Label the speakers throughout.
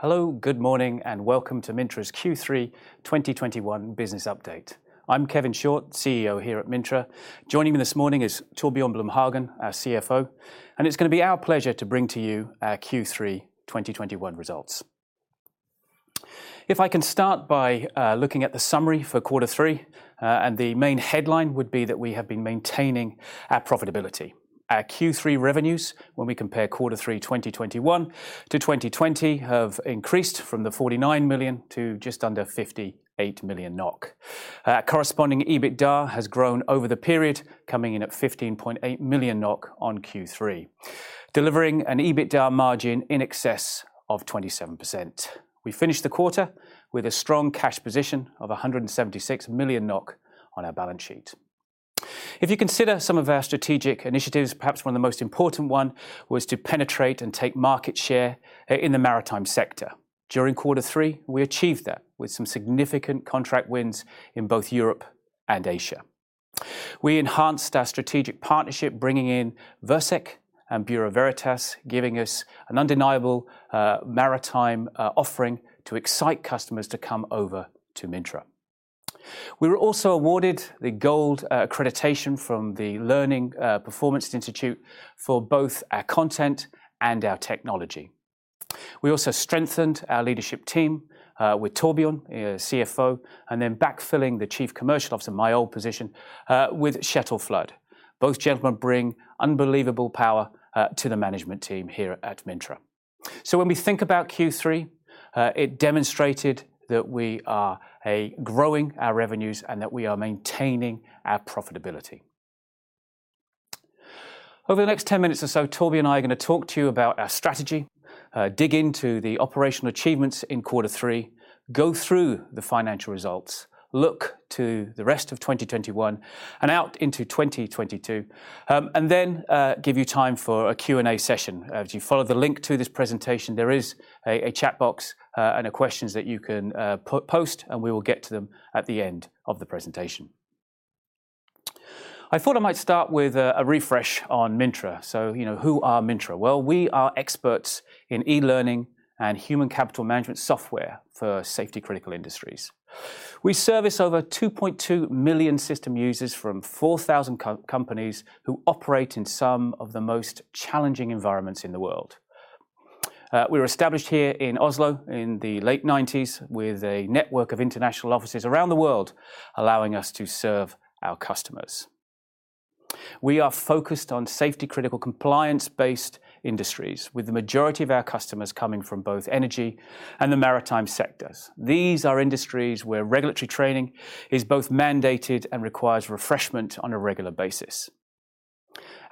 Speaker 1: Hello, good morning, and welcome to Mintra's Q3 2021 business update. I'm Kevin Short, CEO here at Mintra. Joining me this morning is Torbjørn Blom-Hagen, our CFO. It's gonna be our pleasure to bring to you our Q3 2021 results. If I can start by looking at the summary for quarter three and the main headline would be that we have been maintaining our profitability. Our Q3 revenues, when we compare quarter three, 2021 to 2020, have increased from 49 million to just under 58 million NOK. Corresponding EBITDA has grown over the period, coming in at 15.8 million NOK on Q3, delivering an EBITDA margin in excess of 27%. We finished the quarter with a strong cash position of 176 million NOK on our balance sheet. If you consider some of our strategic initiatives, perhaps one of the most important one was to penetrate and take market share in the maritime sector. During quarter three, we achieved that with some significant contract wins in both Europe and Asia. We enhanced our strategic partnership, bringing in VIRSEC® and Bureau Veritas, giving us an undeniable maritime offering to excite customers to come over to Mintra. We were also awarded the Gold accreditation from the Learning and Performance Institute for both our content and our technology. We also strengthened our leadership team with Torbjørn, our CFO, and then backfilling the Chief Commercial Officer, my old position, with Kjetil Flood. Both gentlemen bring unbelievable power to the management team here at Mintra. When we think about Q3, it demonstrated that we are growing our revenues and that we are maintaining our profitability. Over the next 10 minutes or so, Torbjørn and I are gonna talk to you about our strategy, dig into the operational achievements in quarter three, go through the financial results, look to the rest of 2021, and out into 2022, and then give you time for a Q&A session. As you follow the link to this presentation, there is a chat box, and questions that you can post, and we will get to them at the end of the presentation. I thought I might start with a refresh on Mintra. You know, who are Mintra? Well, we are experts in e-learning and human capital management software for safety-critical industries. We service over 2.2 million system users from 4,000 companies who operate in some of the most challenging environments in the world. We were established here in Oslo in the late 1990s with a network of international offices around the world, allowing us to serve our customers. We are focused on safety-critical, compliance-based industries, with the majority of our customers coming from both energy and the maritime sectors. These are industries where regulatory training is both mandated and requires refreshment on a regular basis.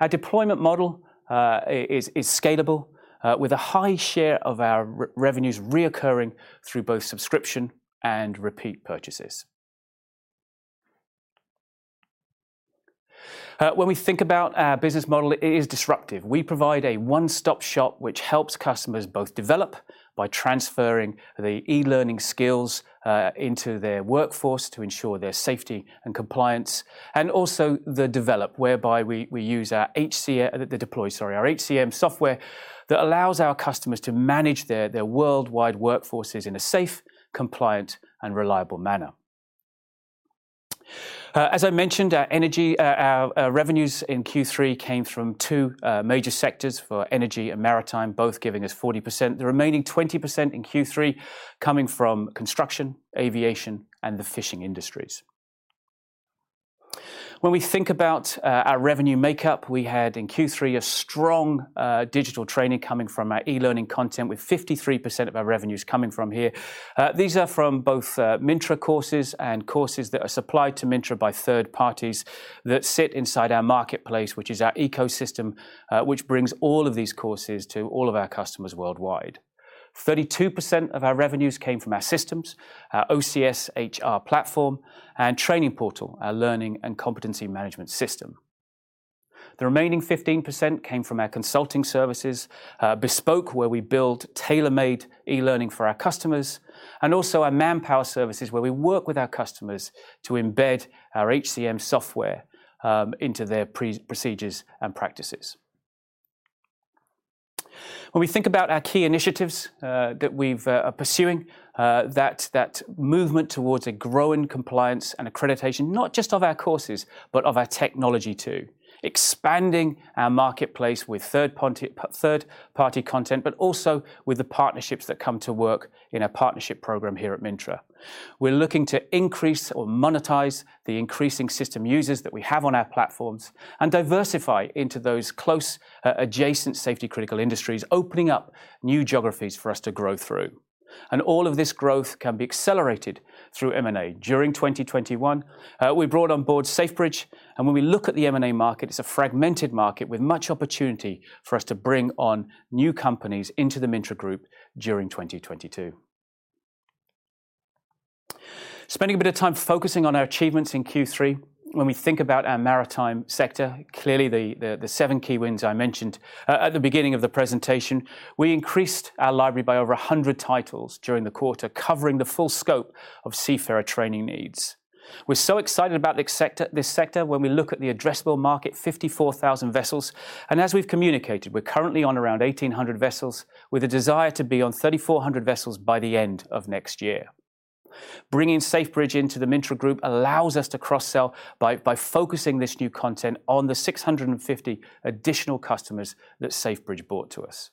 Speaker 1: Our deployment model is scalable with a high share of our revenues recurring through both subscription and repeat purchases. When we think about our business model, it is disruptive. We provide a one-stop shop which helps customers both develop by transferring the e-learning skills into their workforce to ensure their safety and compliance, and also develop, whereby we use our HCM software that allows our customers to manage their worldwide workforces in a safe, compliant, and reliable manner. As I mentioned, our revenues in Q3 came from two major sectors for energy and maritime, both giving us 40%. The remaining 20% in Q3 coming from construction, aviation, and the fishing industries. When we think about our revenue makeup, we had in Q3 a strong digital training coming from our e-learning content with 53% of our revenues coming from here. These are from both Mintra courses and courses that are supplied to Mintra by third parties that sit inside our marketplace, which is our ecosystem, which brings all of these courses to all of our customers worldwide. 32% of our revenues came from our systems, our OCS HR platform, and Trainingportal, our learning and competency management system. The remaining 15% came from our consulting services, bespoke, where we build tailor-made e-learning for our customers, and also our manpower services, where we work with our customers to embed our HCM software into their pre-procedures and practices. When we think about our key initiatives that we've pursuing, that movement towards a growing compliance and accreditation, not just of our courses, but of our technology too. Expanding our marketplace with third-party content, but also with the partnerships that come to work in our partnership program here at Mintra. We're looking to increase or monetize the increasing system users that we have on our platforms and diversify into those close, adjacent safety-critical industries, opening up new geographies for us to grow through. All of this growth can be accelerated through M&A. During 2021, we brought on board Safebridge, and when we look at the M&A market, it's a fragmented market with much opportunity for us to bring on new companies into the Mintra Group during 2022. Spending a bit of time focusing on our achievements in Q3. When we think about our maritime sector, clearly the seven key wins I mentioned at the beginning of the presentation, we increased our library by over 100 titles during the quarter, covering the full scope of seafarer training needs. We're so excited about this sector when we look at the addressable market, 54,000 vessels. As we've communicated, we're currently on around 1,800 vessels with a desire to be on 3,400 vessels by the end of next year. Bringing Safebridge into the Mintra Group allows us to cross-sell by focusing this new content on the 650 additional customers that Safebridge brought to us.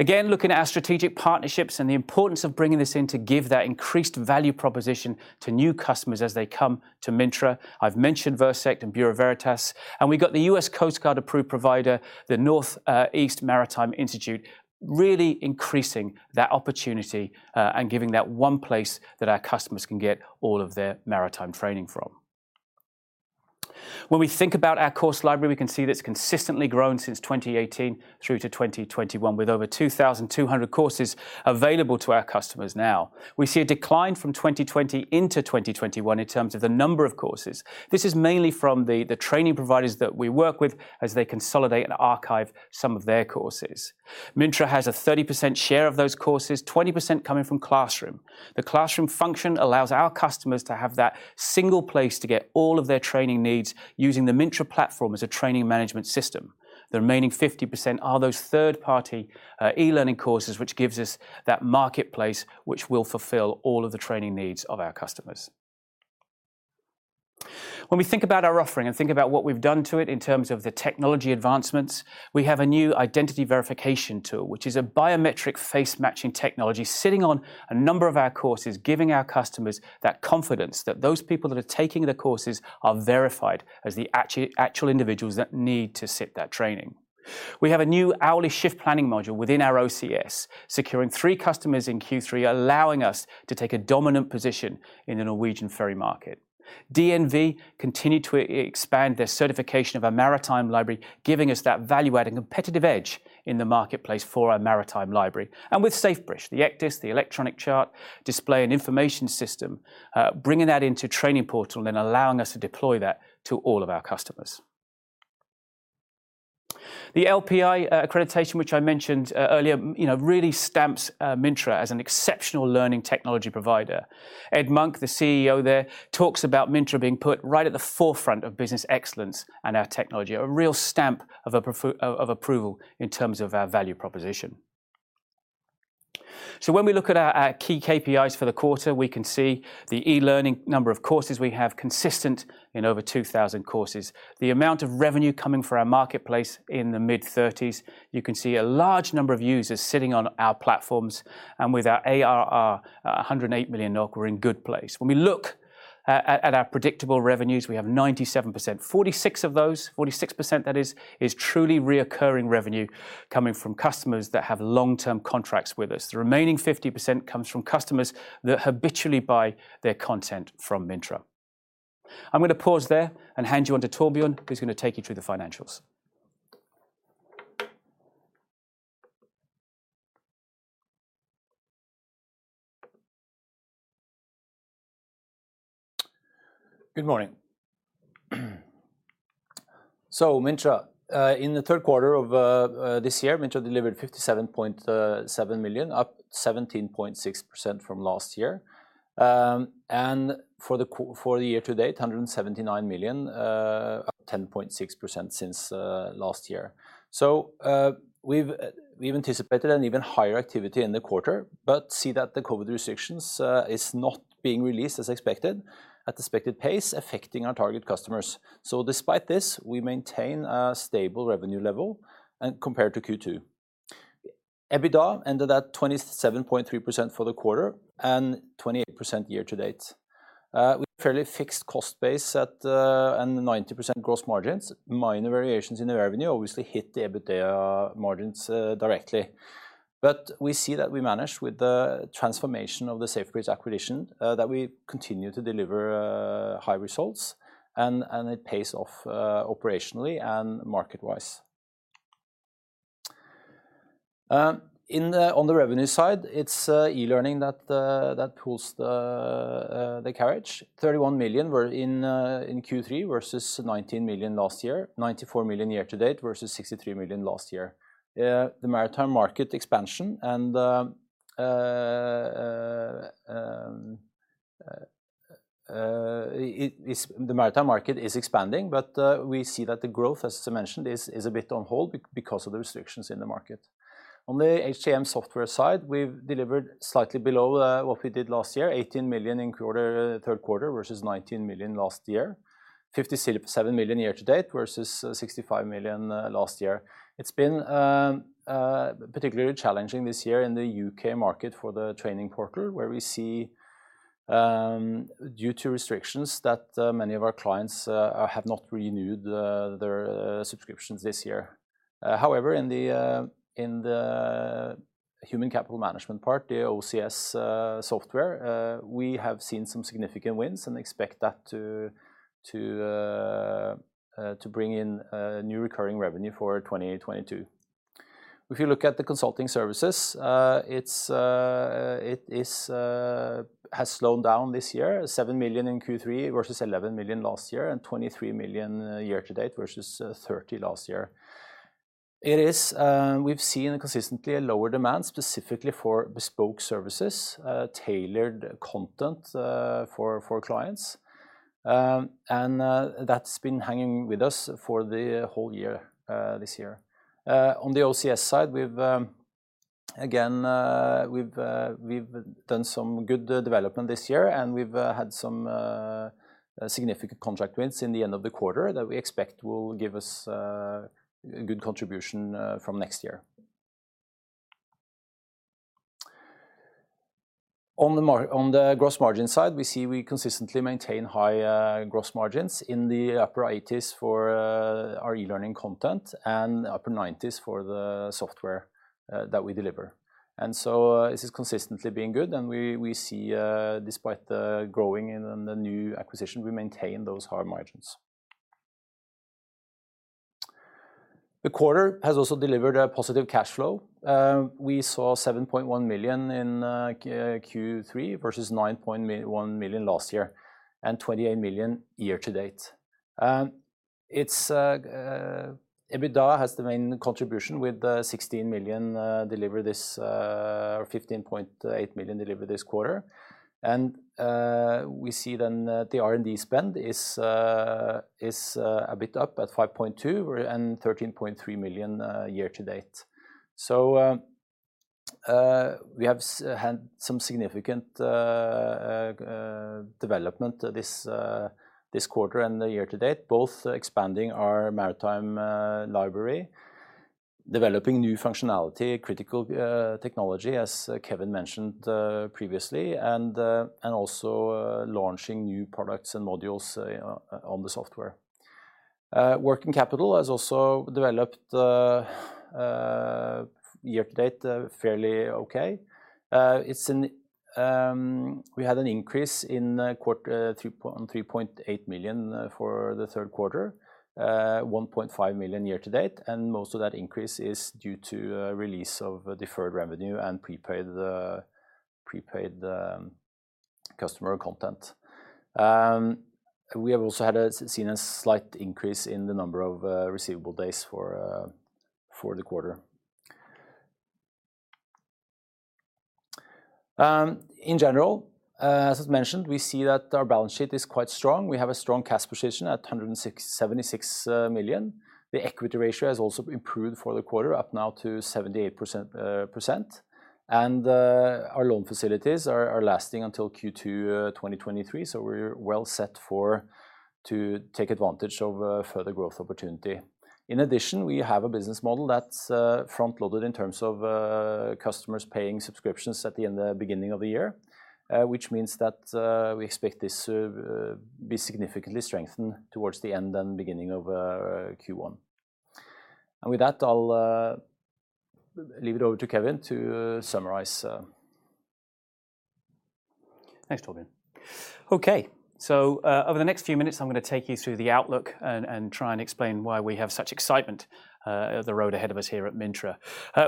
Speaker 1: Again, looking at our strategic partnerships and the importance of bringing this in to give that increased value proposition to new customers as they come to Mintra. I've mentioned VIRSEC® and Bureau Veritas, and we've got the U.S. Coast Guard approved provider, the Northeast Maritime Institute, really increasing that opportunity, and giving that one place that our customers can get all of their maritime training from. When we think about our course library, we can see that it's consistently grown since 2018 through to 2021, with over 2,200 courses available to our customers now. We see a decline from 2020 into 2021 in terms of the number of courses. This is mainly from the training providers that we work with as they consolidate and archive some of their courses. Mintra has a 30% share of those courses, 20% coming from classroom. The classroom function allows our customers to have that single place to get all of their training needs using the Mintra platform as a training management system. The remaining 50% are those third party e-learning courses, which gives us that marketplace which will fulfill all of the training needs of our customers. When we think about our offering and think about what we've done to it in terms of the technology advancements, we have a new identity verification tool, which is a biometric face-matching technology sitting on a number of our courses, giving our customers that confidence that those people that are taking the courses are verified as the actual individuals that need to sit that training. We have a new hourly shift planning module within our OCS, securing three customers in Q3, allowing us to take a dominant position in the Norwegian ferry market. DNV continued to expand their certification of our maritime library, giving us that value-added competitive edge in the marketplace for our maritime library. With Safebridge, the ECDIS, the Electronic Chart Display and Information System, bringing that into Trainingportal and allowing us to deploy that to all of our customers. The LPI accreditation, which I mentioned earlier, you know, really stamps Mintra as an exceptional learning technology provider. Ed Monk, the CEO there, talks about Mintra being put right at the forefront of business excellence and our technology, a real stamp of approval in terms of our value proposition. When we look at our key KPIs for the quarter, we can see the e-learning number of courses we have consistent in over 2,000 courses. The amount of revenue coming from our marketplace in the mid-thirties. You can see a large number of users sitting on our platforms and with our ARR, 108 million NOK, we're in good place. When we look at our predictable revenues, we have 97%. 46% of those, 46% that is truly recurring revenue coming from customers that have long-term contracts with us. The remaining 50% comes from customers that habitually buy their content from Mintra. I'm going to pause there and hand you on to Torbjørn, who's going to take you through the financials.
Speaker 2: Good morning. Mintra in the third quarter of this year, Mintra delivered 57.7 million, up 17.6% from last year. For the year to date, 179 million, up 10.6% since last year. We've anticipated an even higher activity in the quarter, but see that the COVID restrictions is not being released as expected, at expected pace, affecting our target customers. Despite this, we maintain a stable revenue level and compared to Q2. EBITDA ended at 27.3% for the quarter and 28% year to date. With fairly fixed cost base at and 90% gross margins, minor variations in the revenue obviously hit the EBITDA margins directly. We see that we managed with the transformation of the Safebridge acquisition, that we continue to deliver high results and it pays off operationally and market-wise. On the revenue side, it's e-learning that pulls the carriage. 31 million were in Q3 versus 19 million last year. 94 million year to date versus 63 million last year. The maritime market expansion and the maritime market is expanding, but we see that the growth, as mentioned, is a bit on hold because of the restrictions in the market. On the HCM software side, we've delivered slightly below what we did last year. 18 million in third quarter versus 19 million last year. 57 million year to date versus 65 million last year. It's been particularly challenging this year in the U.K. market for the Trainingportal, where we see due to restrictions that many of our clients have not renewed their subscriptions this year. However, in the human capital management part, the OCS software, we have seen some significant wins and expect that to bring in new recurring revenue for 2022. If you look at the consulting services, it has slowed down this year. 7 million in Q3 versus 11 million last year, and 23 million year-to-date versus 30 million last year. We've seen consistently a lower demand specifically for bespoke services, tailored content for clients. That's been hanging with us for the whole year this year. On the OCS side, we've again done some good development this year, and we've had some significant contract wins in the end of the quarter that we expect will give us good contribution from next year. On the gross margin side, we see consistently maintain high gross margins in the upper 80%s for our e-learning content and upper 90%s for the software that we deliver. This has consistently been good, and we see, despite the growth and the new acquisition, we maintain those high margins. The quarter has also delivered a positive cash flow. We saw 7.1 million in Q3 versus 9.1 million last year and 28 million year to date. It's EBITDA has the main contribution with 16 million delivered this or 15.8 million delivered this quarter. We see then the R&D spend is a bit up at 5.2 million and 13.3 million year to date. We have had some significant development this quarter and the year to date, both expanding our maritime library, developing new functionality, critical technology, as Kevin, mentioned previously, and also launching new products and modules on the software. Working capital has also developed year to date fairly okay. It's an. We had an increase in quarter 3.8 million for the third quarter 1.5 million year-to-date, and most of that increase is due to a release of deferred revenue and prepaid customer content. We have also seen a slight increase in the number of receivable days for the quarter. In general, as mentioned, we see that our balance sheet is quite strong. We have a strong cash position at 176 million. The equity ratio has also improved for the quarter, up now to 78%. Our loan facilities are lasting until Q2 2023, so we're well set for to take advantage of further growth opportunity. In addition, we have a business model that's front-loaded in terms of customers paying subscriptions at the beginning of the year, which means that we expect this to be significantly strengthened towards the end of the year and beginning of Q1. With that, I'll leave it over to Kevin, to summarize.
Speaker 1: Thanks, Torbjørn. Okay, so over the next few minutes, I'm going to take you through the outlook and try and explain why we have such excitement, the road ahead of us here at Mintra.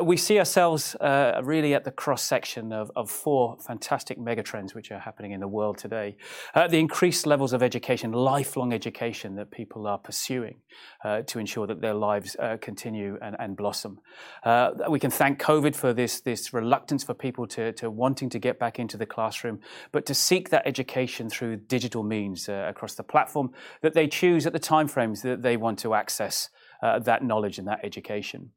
Speaker 1: We see ourselves really at the cross-section of four fantastic mega trends which are happening in the world today. The increased levels of education, lifelong education that people are pursuing to ensure that their lives continue and blossom. We can thank COVID for this reluctance for people to wanting to get back into the classroom, but to seek that education through digital means across the platform that they choose at the time frames that they want to access that knowledge and that education.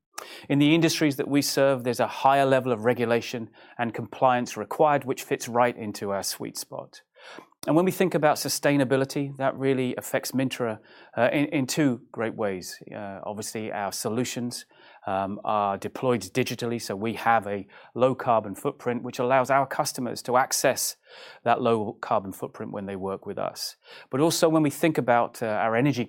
Speaker 1: In the industries that we serve, there's a higher level of regulation and compliance required, which fits right into our sweet spot. When we think about sustainability, that really affects Mintra in two great ways. Obviously, our solutions are deployed digitally, so we have a low carbon footprint, which allows our customers to access that low carbon footprint when they work with us. But also, when we think about our energy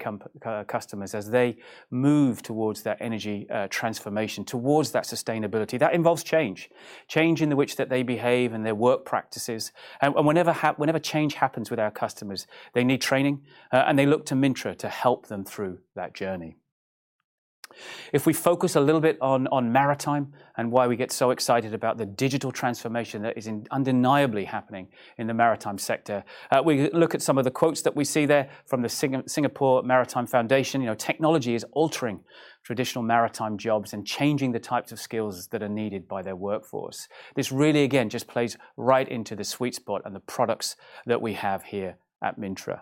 Speaker 1: customers as they move towards that energy transformation, towards that sustainability, that involves change in the way that they behave and their work practices. Whenever change happens with our customers, they need training, and they look to Mintra to help them through that journey. If we focus a little bit on maritime and why we get so excited about the digital transformation that is undeniably happening in the maritime sector, we look at some of the quotes that we see there from the Singapore Maritime Foundation. You know, technology is altering traditional maritime jobs and changing the types of skills that are needed by their workforce. This really, again, just plays right into the sweet spot and the products that we have here at Mintra.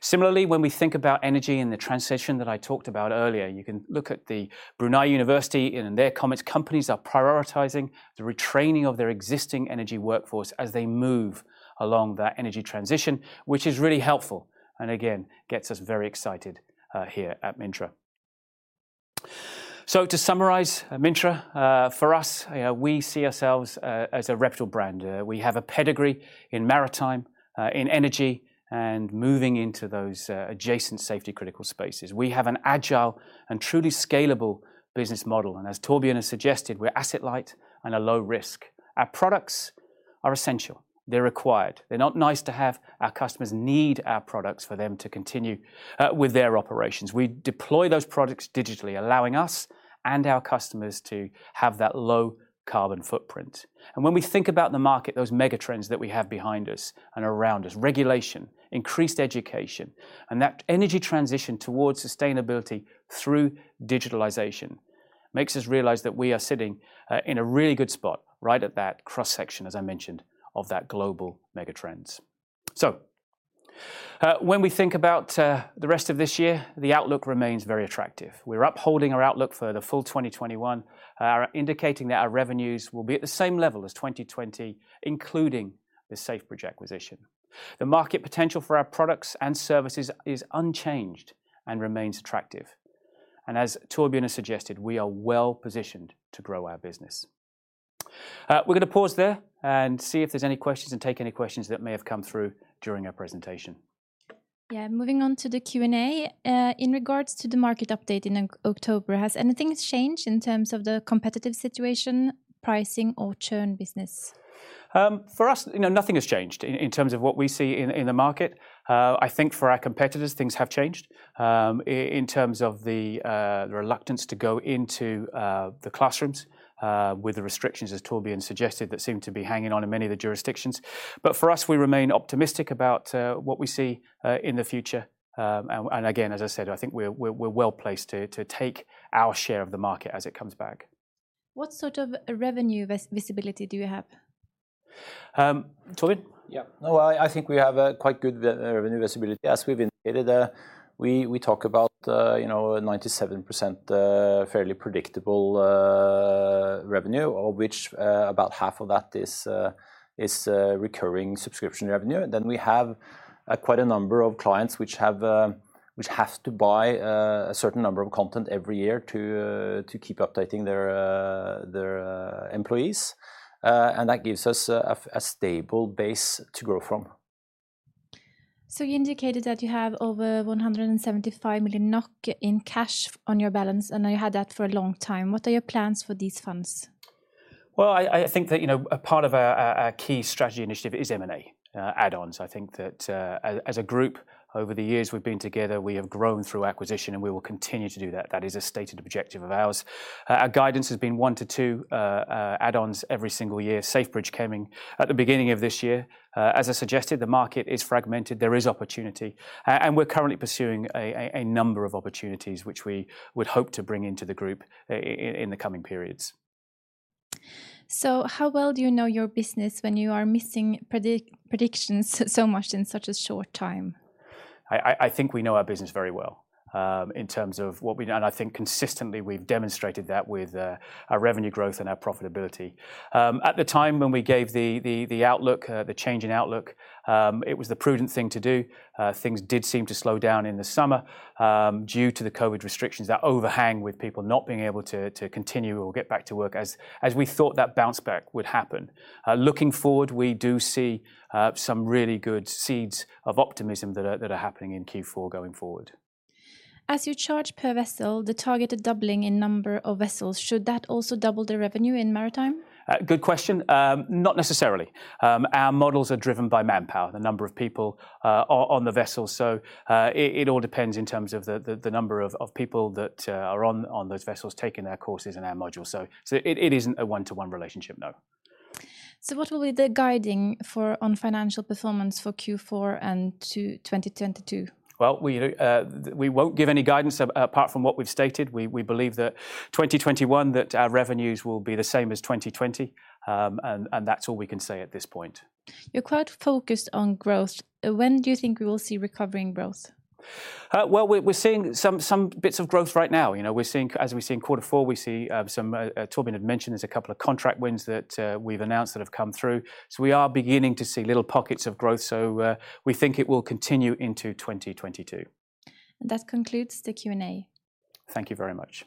Speaker 1: Similarly, when we think about energy and the transition that I talked about earlier, you can look at the Brunel University in their comments. Companies are prioritizing the retraining of their existing energy workforce as they move along that energy transition, which is really helpful and again, gets us very excited here at Mintra. To summarize Mintra, for us, we see ourselves as a reputable brand. We have a pedigree in maritime, in energy and moving into those adjacent safety critical spaces. We have an agile and truly scalable business model. As Torbjørn, has suggested, we're asset light and a low risk. Our products are essential. They're required. They're not nice to have. Our customers need our products for them to continue with their operations. We deploy those products digitally, allowing us and our customers to have that low carbon footprint. When we think about the market, those mega trends that we have behind us and around us, regulation, increased education, and that energy transition towards sustainability through digitalization makes us realize that we are sitting in a really good spot, right at that cross section, as I mentioned, of that global megatrends. When we think about the rest of this year, the outlook remains very attractive. We're upholding our outlook for the full 2021, indicating that our revenues will be at the same level as 2020, including the Safebridge acquisition. The market potential for our products and services is unchanged and remains attractive, and as Torbjørn, has suggested, we are well-positioned to grow our business. We're gonna pause there and see if there's any questions, and take any questions that may have come through during our presentation.
Speaker 3: Yeah, moving on to the Q&A. In regards to the market update in October, has anything changed in terms of the competitive situation, pricing, or churn business?
Speaker 1: For us, you know, nothing has changed in terms of what we see in the market. I think for our competitors things have changed in terms of the reluctance to go into the classrooms with the restrictions, as Torbjørn, suggested, that seem to be hanging on in many of the jurisdictions. For us, we remain optimistic about what we see in the future. Again, as I said, I think we're well-placed to take our share of the market as it comes back.
Speaker 3: What sort of revenue visibility do you have?
Speaker 1: Torbjørn?
Speaker 2: No, I think we have quite good revenue visibility. As we've indicated there, we talk about, you know, 97% fairly predictable revenue, for which about half of that is recurring subscription revenue. We have quite a number of clients which have to buy a certain number of content every year to keep updating their employees, and that gives us a stable base to grow from.
Speaker 3: You indicated that you have over 175 million NOK in cash on your balance, and now you had that for a long time. What are your plans for these funds?
Speaker 1: Well, I think that, you know, a part of our key strategy initiative is M&A add-ons. I think that, as a group over the years we've been together, we have grown through acquisition, and we will continue to do that. That is a stated objective of ours. Our guidance has been 1-2 add-ons every single year, Safebridge coming at the beginning of this year. As I suggested, the market is fragmented. There is opportunity. We're currently pursuing a number of opportunities which we would hope to bring into the group in the coming periods.
Speaker 3: How well do you know your business when you are missing predictions so much in such a short time?
Speaker 1: I think we know our business very well in terms of what we. I think consistently we've demonstrated that with our revenue growth and our profitability. At the time when we gave the outlook, the change in outlook, it was the prudent thing to do. Things did seem to slow down in the summer due to the COVID restrictions that overhang with people not being able to continue or get back to work as we thought that bounce back would happen. Looking forward, we do see some really good seeds of optimism that are happening in Q4 going forward.
Speaker 3: As you charge per vessel, the targeted doubling in number of vessels, should that also double the revenue in Maritime?
Speaker 1: Good question. Not necessarily. Our models are driven by manpower, the number of people on the vessels, so it all depends in terms of the number of people that are on those vessels taking their courses and our modules. It isn't a one-to-one relationship, no.
Speaker 3: What will be the guidance on financial performance for Q4 and to 2022?
Speaker 1: Well, we won't give any guidance apart from what we've stated. We believe that 2021, that our revenues will be the same as 2020, and that's all we can say at this point.
Speaker 3: You're quite focused on growth. When do you think we will see recovering growth?
Speaker 1: Well, we're seeing some bits of growth right now, you know. As we see in quarter four, some Torbjørn, had mentioned there's a couple of contract wins that we've announced that have come through. We are beginning to see little pockets of growth, so we think it will continue into 2022.
Speaker 3: That concludes the Q&A.
Speaker 1: Thank you very much.